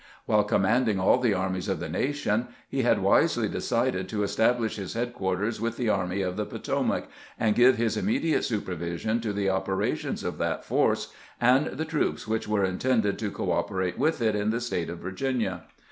While com manding all the armies of the nation, he had wisely decided to establish his headquarters with the Army of the Potomac, and give his immediate supervision to the operations of that force and the troops which were in tended to cooperate with it in the State of Virginia.